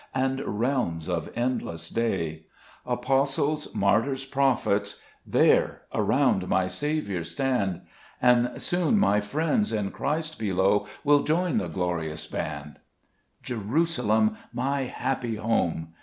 And realms of endless day. 19 Cbe Best Cburcb Tbymne. 5 Apostles, martyrs, prophets, there Around my Saviour stand ; And soon my friends in Christ below Will join the glorious band. 6 Jerusalem, my happy home